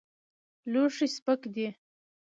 لوښی سپک دی.